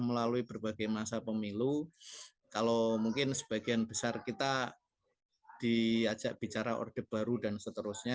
melalui berbagai masa pemilu silly moy w lebih dari kita diajak bicara ordebaru dan seterusnya